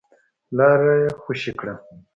لاره يې خوشې کړه.